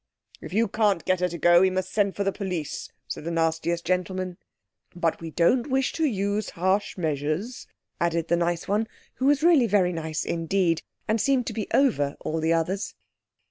"If you can't get her to go we must send for the police," said the nastiest gentleman. "But we don't wish to use harsh measures," added the nice one, who was really very nice indeed, and seemed to be over all the others.